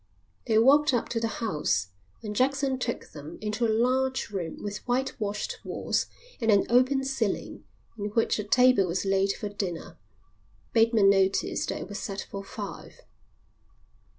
They walked up to the house, and Jackson took them into a large room with white washed walls and an open ceiling in which a table was laid for dinner. Bateman noticed that it was set for five.